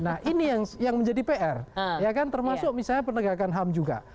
nah ini yang menjadi pr ya kan termasuk misalnya penegakan ham juga